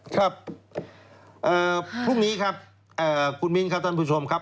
ครับพรุ่งนี้ครับคุณมิ้นครับท่านผู้ชมครับ